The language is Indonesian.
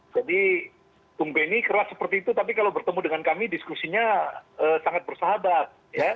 jadi bung beni keras seperti itu tapi kalau bertemu dengan kami diskusinya sangat bersahabat